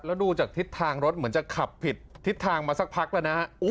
แล้วดูจากทิศทางรถเหมือนจะขับผิดทิศทางมาสักพักแล้วนะฮะ